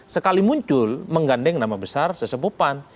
sekali muncul menggandeng nama besar sesepupan